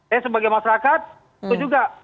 ya sebagai masyarakat itu juga